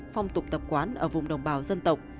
phong tục tập quán ở vùng đồng bào dân tộc